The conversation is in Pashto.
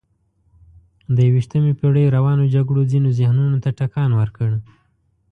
د یویشتمې پېړۍ روانو جګړو ځینو ذهنونو ته ټکان ورکړ.